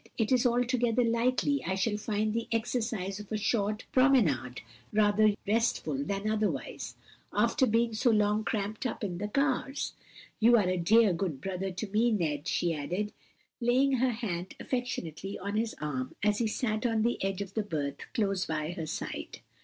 "It is altogether likely I shall find the exercise of a short promenade rather restful than otherwise, after being so long cramped up in the cars. You are a dear, good brother to me, Ned," she added, laying her hand affectionately on his arm as he sat on the edge of the berth close by her side.